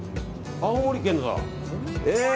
青森県のだ。